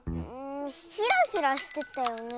ヒラヒラしてたよね。